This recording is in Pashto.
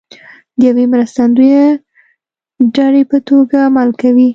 د یوې مرستندویه دړې په توګه عمل کوي